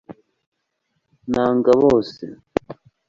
nanga bose